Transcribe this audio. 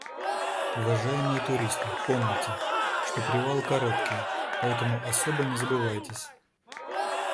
Уважаемые туристы, помните, что привалы короткие, поэтому особо не забывайтесь.